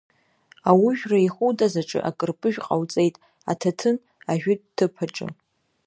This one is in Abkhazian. Аужәра ихутыз аҿы акырпыжә ҟауҵеит, аҭаҭын ажәытә ҭыԥаҿы.